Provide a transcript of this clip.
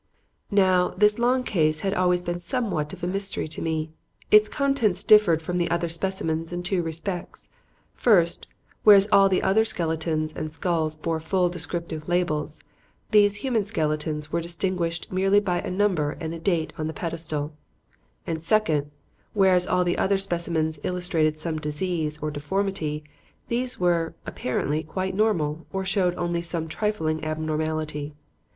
Now, this long case had always been somewhat of a mystery to me. Its contents differed from the other specimens in two respects. First, whereas all the other skeletons and the skulls bore full descriptive labels, these human skeletons were distinguished merely by a number and a date on the pedestal; and, second, whereas all the other specimens illustrated some disease or deformity, these were, apparently, quite normal or showed only some trifling abnormality.